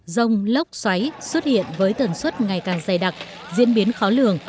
rông lốc xoáy xuất hiện với tần suất ngày càng dày đặc diễn biến khó lường